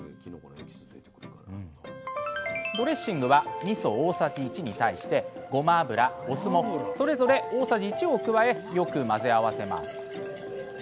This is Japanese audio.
ドレッシングはみそ大さじ１に対してごま油お酢もそれぞれ大さじ１を加えよく混ぜ合わせます。